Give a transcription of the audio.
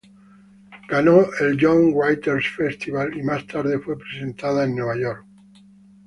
Ganó el Young Writers' Festival, y más tarde fue presentada en Nueva York.